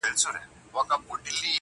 تاريخ بيا بيا هماغه وايي تل-